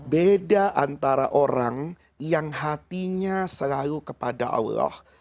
beda antara orang yang hatinya selalu kepada allah